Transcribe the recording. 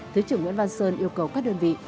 thứ trưởng nguyễn văn sơn yêu cầu các đơn vị